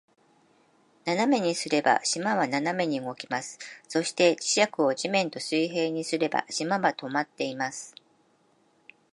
斜めにすれば、島は斜めに動きます。そして、磁石を土面と水平にすれば、島は停まっています。